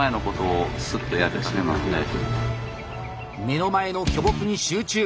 目の前の巨木に集中。